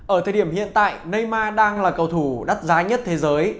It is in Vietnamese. ở thời điểm hiện tại neyma đang là cầu thủ đắt giá nhất thế giới